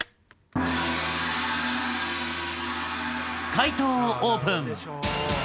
解答をオープン。